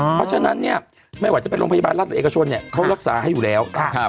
เพราะฉะนั้นเนี่ยไม่ว่าจะเป็นโรงพยาบาลรัฐเอกชนเนี่ยเขารักษาให้อยู่แล้ว